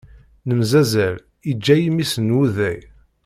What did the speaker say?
Nemzazzal, iǧǧa-yi mmi-s n wuday.